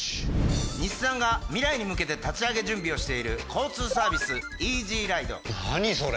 日産が未来に向けて立ち上げ準備をしている交通サービス何それ？